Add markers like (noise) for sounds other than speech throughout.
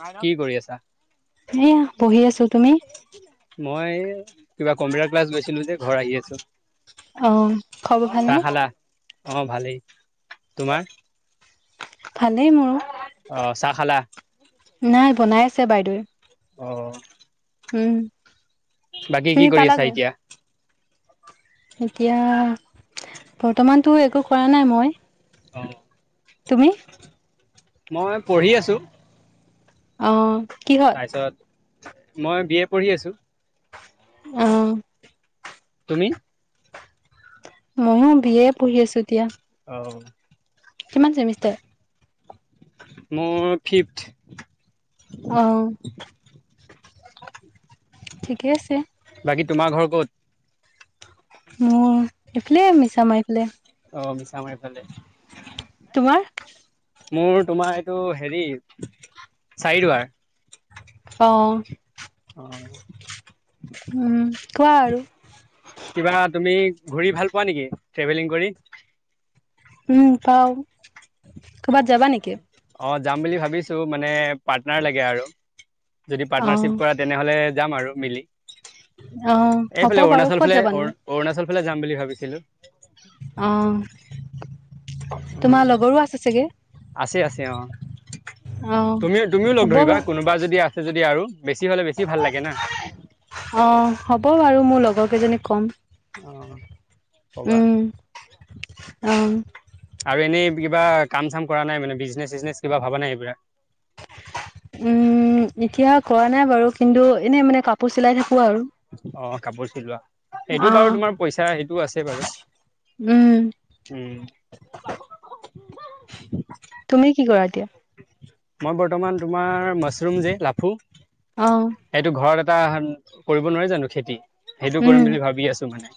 কি কৰি আছা? (inaudible) সেইয়া বহি আছো। তুমি? মই কিবা কম্পিউটাৰ ক্লাছ গৈছিলো যে ঘৰ আহি আছো। অ খবৰ (unintelligible) চাহ ভালনে খালা? অহ ভালেই। তোমাৰ? ভালেই মোৰ। অহ, চাহ খালা? নাই বনাই আছে বাইদেউৱে অহ উম বাকী কি তুমি কৰি আছা পালাগৈ এতিয়া? এতিয়া বৰ্তমানতো একো কৰা নাই মই অ'। তুমি? মই পঢ়ি আছো। অ', কিহত? তাৰপিছত মই বি এ পঢ়ি আছো। অ'। তুমি? ময়ো বি এ পঢ়ি আছো এতিয়া। (unintelligible) কিমান চেমিষ্টাৰ? মোৰ ফিফট। অহ'। বাকী তোমাৰ ঘৰ ক'ত? মোৰ সেইফালে মিছা মাৰিফালে। অ', মিছা মাৰিফালে। তোমাৰ? মোৰ তোমাৰ এইটো হেৰি চাৰি অ দুৱাৰ। উম', কোৱা আৰু। কিবা তুমি ঘূৰি ভাল পোৱা নেকি ট্ৰেভেলিং কৰি? উম', পাও কৰ'বাত যাবা নেকি? অ', যাম বুলি ভাবিছো মানে পাৰ্টনাৰ লাগে আৰু। যদি অ পাৰ্টনাৰশ্বিপ কৰা তেনেহ'লে যাম আৰু মিলি। অ হ'ব এইফালে বাৰু অৰুণাচল ক'ত ফালে যাবানো অ-অৰুণাচল ফালে যাম বুলি ভাবিছিলোঁ। অ তোমাৰ লগৰো আছে চাগে? আছে আছে অ', অ', তুমিও-তুমিও লগ হ'ব বাৰু ধৰিবা কোনোবা যদি আছে যদি আৰু। বেছি হলে বেছি ভাল লাগে না। অ', হব বাৰু মোৰ লগৰ কেইজনীক কম। অ ক'বা উম', অহ'। আৰু এনেই কিবা কাম চাম কৰা নাই মানে বিজনেচ চিজনেচ কিবা ভবা নাই এইবিলাক? উম, এতিয়া কৰা নাই বাৰু, কিন্তু এনে মানে কাপোৰ চিলাই থাকো। আৰু অ', কাপোৰ চিলোৱা। সেইটো বাৰু অ', তোমাৰ পইচা সেইটো আছে বাৰু। উম, উম'। তুমি কি কৰা এতিয়া? মই বৰ্তমান তোমাৰ মাছৰুম যে লাফো? অ', এইটো ঘৰত এটা কৰিব নোৱাৰে জানো খেতি সেইটো উম, কৰিম বুলি ভাবি আছো মানে।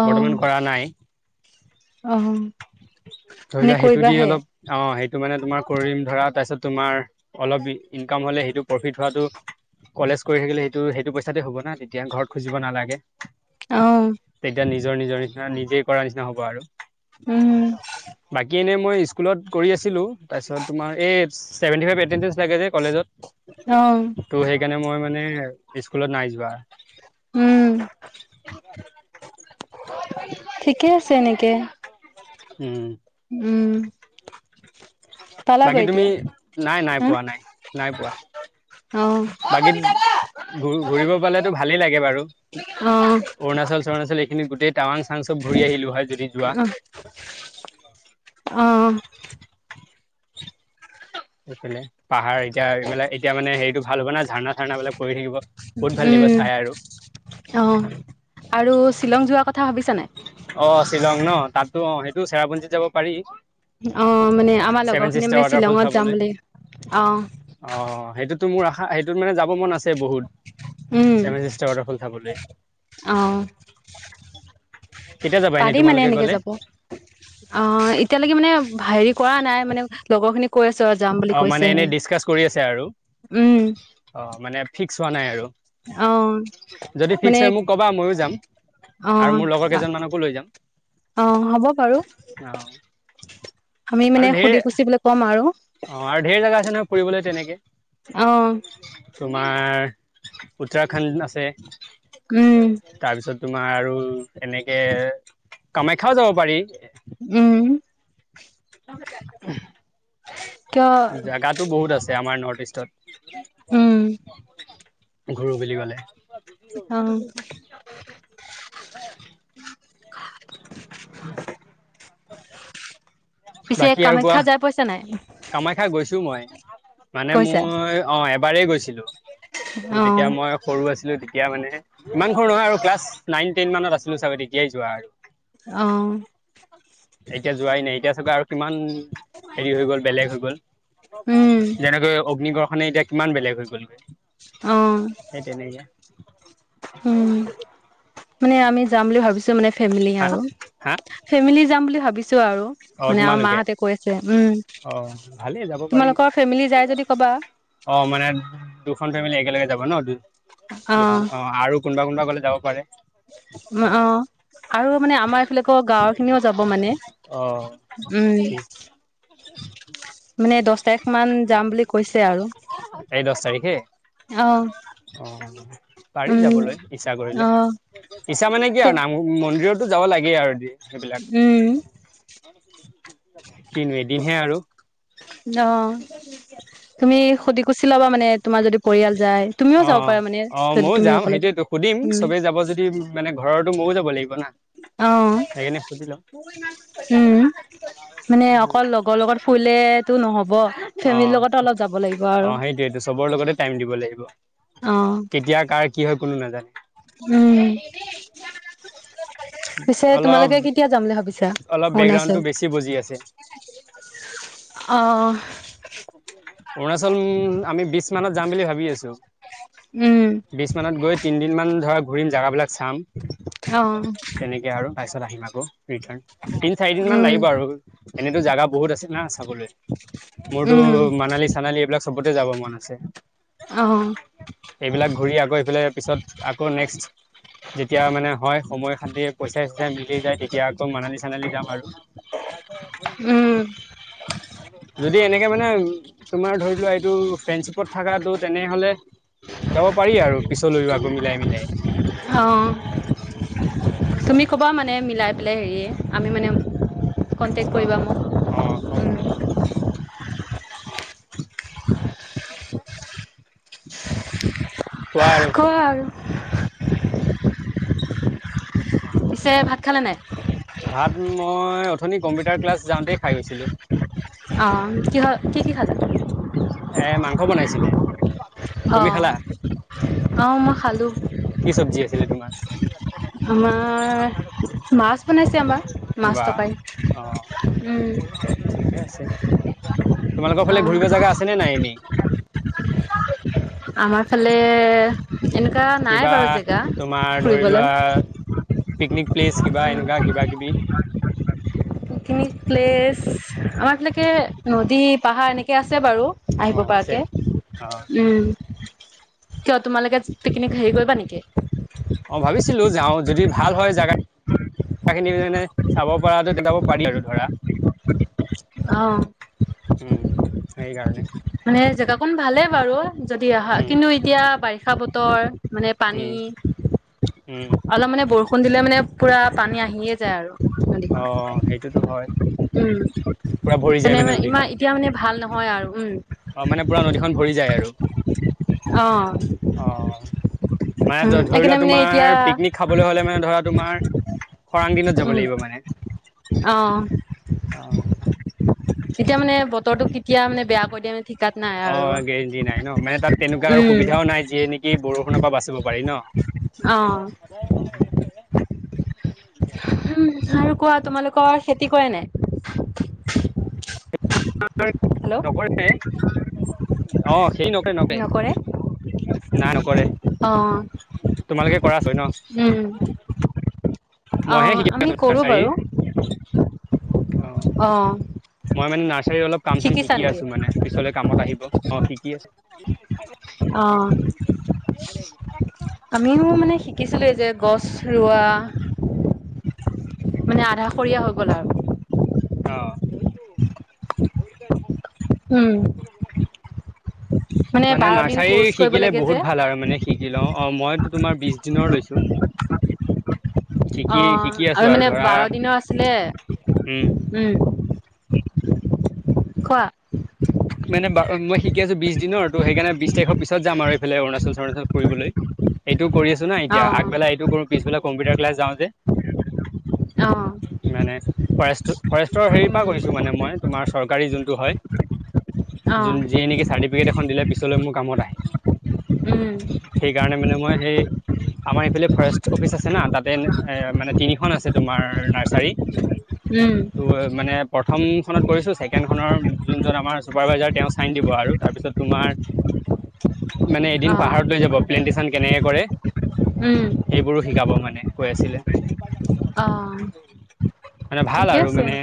অ', বৰ্তমান কৰা নাই। অ', ধৰি মানে লোৱা সেইটো দি কৰিবাহে অলপ অ', সেইটো মানে তোমাৰ কৰিম ধৰা তাৰপিছত তোমাৰ অলপ ইনকাম হলে সেইটো প্ৰফিট হোৱাটো কলেজ কৰি থাকিলে সেইটো সেইটো পইচাতে হ'ব না, তেতিয়া ঘৰত খুজিব নালাগে। অ', তেতিয়া নিজৰ-নিজৰ নিচিনা নিজেই কৰ নিচিনা হ'ব আৰু। উম, বাকী এনে মই স্কুলত কৰি আছিলো। তাৰপিছত তোমাৰ এই ছেভেন্তি ফাইভ এতেন্দেঞ্চ লাগে যে কলেজত, অ', সেইকাৰণে মই মানে স্কুলত নাই যোৱা। উম'। ঠিকে আছে এনেকে। উম'। উম'। বাকী পালাগৈ এতিয়া তুমি, নাই-নাই হা পোৱা নাই, নাই পোৱা। অ', বাকীত ঘ-ঘূৰিব পালেতো ভালেই লাগে বাৰু। অৰুণাচল অ'। এইখিনি গোটেই টাৱং চাং চব ঘুৰি আহিলো হয়, যদি যোৱা। অ', অ। এইফালে পাহাৰ এতিয়া এইফাল এতিয়া মান হেৰিটো ভাল হ'ব না ঝাৰণা ৰ্ণা বলে পৰি থাকিব, বহুত ভাল লাগিব। কিবা উম, চাই আৰু। অ আৰু শ্বিলং যোৱা কথা ভাবি - অ শ্বিলং ন, তাতো অ সেইটো চেৰাপঞ্জীত যাব পাৰি। অ মানে আমাৰ লগৰ চেভেন খিনি চিচতাৰ মানে ৱাটাৰফল শ্বিলঙত যাম চাবলৈ বুলি অ অ। সেইটো টো মোৰ আশা সেইটোত মানে যাব মন আছে বহুত। উম চেভেন চিচতাৰ ৱাটাৰফল চাবলৈ। অ কেতিয়া যাবা এনেই পাৰি মানে তোমালোকে এনেকে গ'লে যাব, অ এতিয়ালৈকে মানে হেৰি কৰা নাই, মানে লগৰ খিনি কৈ আছে। ওচ যাম বুলি অ কৈছে মানে এনেই এনে ডিচকাচ কৰি আছে আৰু উম। অ মানে ফিক্স হোৱা নাই আৰু অ যদি ফিক্স মানে হয় মোক ক'বা ময়ো যাম। অ আৰু মোৰ লগৰ কেইজন মানকো লৈ যাম। অ হ'ব বাৰু। অ আমি আৰু মানে ঢেৰ সুধি পুছি বুলি ক'ম আৰু। অ আৰু ঢেৰ জেগা আছে নহয় ফুৰিবলৈ তেনেকে। অ। তোমাৰ উত্তৰাখণ্ড আছে। উম। তাৰপিছত তোমাৰ আৰু এনেকে কামাখ্যাও যাব পাৰি। উম। কিয় জোগাতো বহুত আছে আমাৰ নৰ্থ ইষ্টত। উম। ঘুৰো বুলি কলে। অ। (inaudible) (unintelligible) পিছে বাকী আৰু কোৱা কামাখ্যা যাই পাইছা নাই? কামাখ্যা গৈছো মই মানে গৈছা মোৰ অ এবাৰেই গৈছিলো। ত অ তেতিয়া মই সৰু আছিলো তেতিয়া মানে ইমান নহয় আৰু ক্লাছ নাইন টেন মানত আছিলো চাগৈ তেতিয়াই যোৱা আৰু। অহ। এতিয়া যোৱাই নাই এতিয়া চাগৈ আৰু কিমান হেৰি হৈ গ'ল বেলেগ হৈ গ'ল উম যেনেকৈ অগ্নিগড় খনে এতিয়া কিমান বেলেগ হৈ গ'লগে অ সেই তেনেকে উম মানে আমি যাম বুলি ভাবিছো মানে ফেমিলি হা আৰু হা ফেমিলি যাম বুলি ভাবিছো। আৰু অ মানে আমাৰ তোমালোকে মাহঁতে কৈ আছে উম অ ভালেই যাব পাৰি তোমালোকৰ ফেমিলি যাই যদি ক'বা অ মানে দুখন ফেমিলি একেলগে যাব ন? দু দুখন অ আৰু কোনোবা কোনোবা গ'লে যাব পাৰে। অ অ আৰু মানে আমাৰ (unintelligible) গাঁৱৰ খিনিও যাব মানে অ উম। ঠিক মানে দহ তাৰিখ মান যাম বুলি কৈছে আৰু (inaudible) এই দশ তাৰিখে? অ অ। পাৰি উম যাবলৈ ইচ্ছা কৰিলে অ ইচ্ছা মানে কি আৰু নাম মন্দিৰত (unintelligible) যাব লাগে আৰু (unintelligible) সেইবিলাক। উম কি নো এদিনহে আৰু। অ তুমি সুধি কুচি লবা মানে তোমাৰ যদি পৰিয়াল যায় তুমিও অ যাব পাৰা মানে অ যদি ময়ো তুমি যাম অকলে সেইটোৱে টো সুধিম উম চবেই যাব যদি মানে ঘৰত (unintelligible) ময়ো যাব লাগিব না। অ সেইকাৰণে সুধি লম উম মানে অকল লগৰ লগত ফুৰিলে টো নহ'ব অ ফেমিলিৰ লগতো অলপ যাব লাগিব আৰু অ সেইটোয়েইটো চবৰ লগতে টাইম দিব লাগিব অ কেতিয়া কাৰ কি হয় কোনো উম নাজানে (inaudible) পিছে অলপ তোমালোকে কেতিয়া যাম বুলি ভাবিছা অলপ বেকগ্ৰাউণ্ডটো অৰুণাচল বেছি বুজি আছে অহ অৰুণাচল উম আমি বিশ মানত যাম বুলি ভাবি আছো উম বিছ মানত গৈ তিনদিন মান ধৰা ঘুৰিম জাগা বিলাক চাম তেনেকে অহ আৰু তাৰপিছত আহিম আকৌ ৰিটান তিন চাৰি দিনমান উম লাগিব আৰু এনেতো জাগা বহুত আছে না চাবলৈ মোৰতো উম মানালী চানালী এইবিলাক চবতে যাব মন আছে অহ এইবিলাক ঘূৰি আকৌ এইফালে পিছত আকৌ নেক্সট যেতিয়া মানে হয় সময় খাটি পইচা চইচা মিলি যায় তেতিয়া আকৌ মানালী চানালি যাম আৰু (unintelligible) (inaudible) যদি এনেকে মানে তোমাৰ ধৰি লোৱা এইটো ফ্ৰেণ্ডশ্বিপত থাকা টো তেনেহলে যাব পাৰি আৰু পিছলৈও আকৌ মিলাই মিলাই অ তুমি ক'বা মানে মিলাই পেলাই হেৰিয়ে আমি মানে কন্টেক্ট অ কৰিবা মোক অ কম কম (inaudible) (unintelligible) (inaudible) ক আৰু (unintelligible) (inaudible) পিছে ভাত খালে নাই ভাত মই অথনি কম্পিউটাৰ ক্লাছ যাওঁতেই খাই গৈছিলো। অঁ কিহ কি কি খালা। এ মাংস বনাইছিলে অ তুমি খালা অ মই খালো কি চব্জি আছিলে তোমাৰ আমাৰ মাছ। শুনাইছে আমাৰ মাছ বা টকাই অ ঠিকে আছে (unintelligible) তোমালোকৰ ফালে ঘুৰিব জাগা আছে নে নাই এনেই (unintelligible) আমাৰ ফালে এনেকুৱা নাই কিবা বাৰু জেগা তোমাৰ ধৰি লোৱা ফুৰিবলৈ পিকনিক প্লেচ কিবা এনেকুৱা। উম কিবা কিবি পিকনিক প্লেছ আমাৰ এই ফালেকে নদী পাহাৰ এনেকৈ আছে বাৰু অ আহিব আছে পৰাকে। অ কিয় তোমালোকে পিকনিক হেৰি কৰিবা নেকি অ ভাবিছিলো যাওঁ যদি ভাল হয় জেগা খিনি মানে চাব পৰা তেতিয়া পাৰি আৰু ধৰা অ উম সেইকাৰণে মানে জেগাকন ভালে বাৰু যদি আহা উম কিন্তু এতিয়া বাৰিষা বতৰ মানে পানী উম উম অলপ মানে বৰষুণ দিলে মানে পুৰা পানী আহিয়ে যায় আৰু অ নদীখনত সেইটোতো হয় উম পুৰা ভৰি যায় হেকানে মানে ইমান নদীখন এতিয়া মানে ভাল নহয় আৰু উম অ মানে পুৰা নদীখন ভৰি যায় আৰু অঁ অ মানে ধৰি লোৱা তোমাৰ পিকনিক খাবলৈ হলে মানে ধৰা তোমাৰ খৰাং দিনত যাব উম লাগিব মানে। অ অ'। তেতিয়া মানে বতৰটো কেতিয়া মানে বেয়া কৰি দিয়া মানে ঠিকাত নাই আৰু, উম'। অসুবিধাও নাই যিয়ে নেকি বৰষুণৰ বাচিব পাৰে। অ (unintelligible) উম', আৰু কোৱা তোমালোকৰ খেতি কৰে নাই। (unintelligible) হেল্ল' নকৰে। অ', খেতি নকৰে-নকৰে নকৰে না নকৰে। অ তোমালোকে কৰা চাগে উম ন? অ মইহে শিকি আমি আছো কৰো নাৰ্চাৰী। বাৰু অ', মই মানে নাৰ্চাৰী অলপ কাম চাম শিকিছা শিকি নেকি আছো মানে পিছলৈ কামত আহিব অ', শিকি আছো। ম অ (unintelligible) আমিও মানে শিকিছিলো যে গছ ৰোৱা। মানে আধাষৰীয়া হৈ গ'ল আৰু। অ'। উম মানে বাৰ দিন নাৰ্চাৰী কৰ্চ কৰিব শিকিলে লাগে বহুত যে ভাল আৰু মানে শিকি লওঁ অ', মইতো তোমাৰ বিশ দিনৰ লৈছো। শিকি শিকি অ', আছো আৰু মানে ধৰা বাৰ দিনৰ আছিলে, উম উম'। কোৱা? মানে ব মই শিকি আছো বিশ দিনৰ তো সেইকাৰণে বিশ তাৰিখৰ পিছত যাম আৰু এইফাল অৰুণাচল-চৰুণাচল ফুৰিবলৈ। এইটোও কৰি আছো না এতিয়া অ আগবেলা এইটো কৰো পিছবেলা কম্পিউটাৰ ক্লাছ যাও যে। অ', অ', মানে ফৰেষ্ট-ফৰেষ্টৰ হেৰিৰ পৰা কৰিছো উম, মানে মই তোমাৰ চৰকাৰী যোনটো হয়। য যিয়ে নেকি চাৰ্টিফিকেট এখন দিলে পিছলৈ মোৰ কামত আহে। সেইকাৰণে মানে মই সেই আমাৰ এইফালে ফৰেষ্ট অফিচ আছে না তাতে এ মানে তিনিখন আছে তোমাৰ নাৰ্চাৰী। উম, ত মানে প্ৰথম খনত কৰিছো ছেকেণ্ড খনৰ যোনজন আমাৰ চুপাৰভাইজাৰ তেওঁ চাইন দিব আৰু তাৰপিছত তোমাৰ মানে এদিন পাহাৰত লৈ যাব প্লেনটেশচন কেনেকে কৰে। উম'। যাব মানে কৈ আছিলে। অ', মানে ভাল ঠিকে আৰু আছে এনেকে। মানে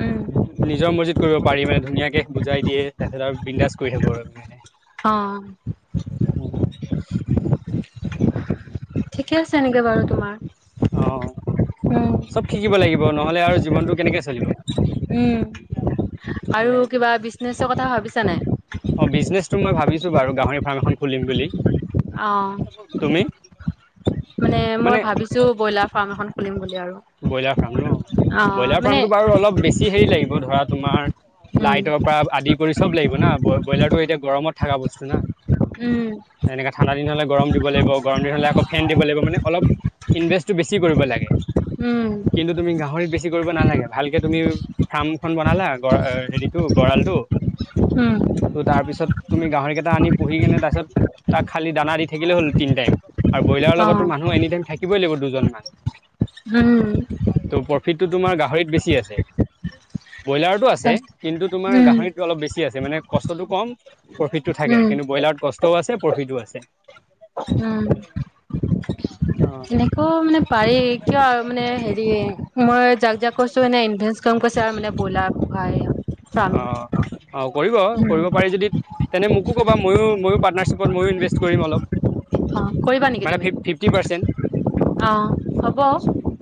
উম, নিজৰ মৰজিত কৰিব পাৰি মানে ধুনীয়াকে বুজাই দিয়ে তাৰপিছত আৰু বিন্দাজ কৰি থাকো আৰু মানে। অ'। উম ঠিকে আছে এনেকে বাৰু তোমাৰ অ', উম, চব শিকিব লাগিব নহলে আৰু জীৱনটো কেনেকে চলিব? উম, আৰু সেইয়াই টো। কিবা বিজনেচৰ কথা ভাবিছা নাই? অ', বিজনেচ মই ভাবিছো বাৰু গাহৰি ফাৰ্ম এখন খুলিম বুলি। অ', তুমি? মই মানে ভাবিছো ব্ৰইলাৰ ফাৰ্ম এখন খুলিম বুলি আৰু ব্ৰইলাৰ ফাৰ্ম ন? অ', ব্ৰইলাৰ মানে ফাৰ্মটো বাৰু অলপ বেছি হেৰি লাগিব। ধৰা তুমাৰ উম, লাইটৰ পৰা আদি কৰি চব লাগিব না ব্ৰইলাৰটো এতিয়া গৰমত থকা বস্তু না। উম, এনেকে ঠাণ্ডা দিন হলে গৰম দিব লাগিব গৰম দিন হলে আকৌ ফেন দিব লাগিব মানে অলপ ইনভেষ্টটো বেছি কৰিব লাগে। উম, কিন্তু তুমি গাহৰিত বেছি কৰিব নালাগে, ভালকে তুমি ফাৰ্ম খন বনালা গ হেৰিতটো গঁৰালটো, উম, ত তাৰপিছত তুমি গাহৰি কেইটা আনি পুহি কেনে তাৰপিছত তাক খালি দানা দি থাকিলে হল তিনি টাইম। আৰু ব্ৰইলাৰৰ লগতো অ', মানুহ এনি টাইম থাকিবই লাগিব দুজনমানান। উম'। টো তোমাৰ গাহৰিত বেছি আছে। ব্ৰইলাৰতো আছে তাক কিন্তু তোমাৰ উম, গাহৰিতো অলপ বেছি আছে মানে কষ্টটো কম প্ৰফিটতটো থাকে, উম, কিন্তু ব্ৰইলাৰত কষ্টও আছে প্ৰফিতো আছে। উম অ (unintelligible) এনেকৈ মানে পাৰি কিয় আৰু মানে হেৰি মই যাক যাক কৈছো এনে ইনভেচ কৰিছে আৰু মানে ব্ৰইলাৰ পোহা এয়া (unintelligible) অ অ কৰিব কৰিব পাৰি যদি তেনে মোকো কবা ময়ো ময়ো পাৰ্টনাৰশ্বিপত মইও ইনভেষ্ট কৰিম অলপ মানে ফিফটি পাৰ্চেণ্ট অঁ হ'ব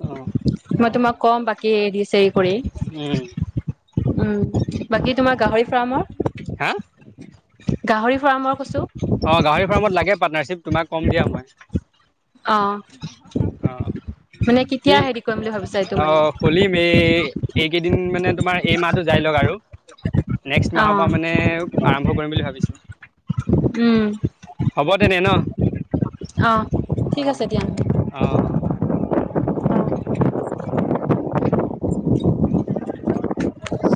অ', মই তোমাক কম বাকী দিছে কৰি উম, উম বাকী তোমাৰ গাহৰি ফাৰ্মৰ, হা গাহৰি ফাৰ্মৰ কৈছো অ', গাহৰি ফাৰ্মত লাগে পাৰ্টনাৰশ্বিপ তোমাক কম দিয়া মই অ অ মানে কি কেতিয়া হেৰি কৰিম বুলি ভাবিছা এইটো অ মানে খুলিম এ এইকেইদিন মানে তোমাৰ এই মাহটো যাই লওক আৰু নেক্সট অ মাহৰ পৰা মানে আৰম্ভ কৰিম বুলি ভাবিছো (unintelligible) উম হ'ব তেনে ন অ ঠিক অ', আছে দিয়া অ', অ'। অ (unintelligible) (inaudible) (unintelligible) (inaudible) (unintelligible) (inaudible) (unintelligible) (inaudible)